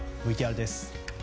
ＶＴＲです。